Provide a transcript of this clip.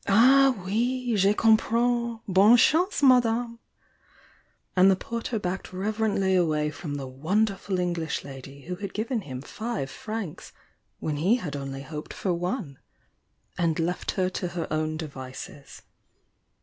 "Ah, oui! Je comprends! Bonne chance, Ma dame.'" and the porter backed reverently away from the wonderful English lady who had given him five francs, when he had only hoped for one, — and left her to her own devices.